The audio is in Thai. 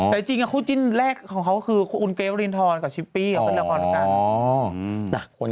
แต่จริงคู่จินแลกของเขาคือขุนเกเตอร์แล็วลิ้นทร